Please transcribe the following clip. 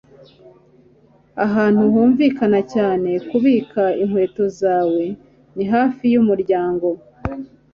ahantu humvikana cyane kubika inkweto zawe ni hafi yumuryango